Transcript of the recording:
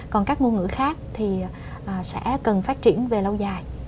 còn các ngôn ngữ khác thì sẽ cần phát triển về lâu dài